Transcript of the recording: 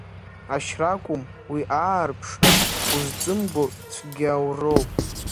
Ашьра акәым, уи аарԥшра, узҵымгәо цәгьауроуп.